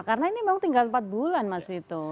karena ini memang tinggal empat bulan maksud itu